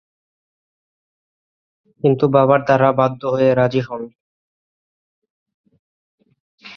কিন্তু বাবার দ্বারা বাধ্য হয়ে রাজি হন।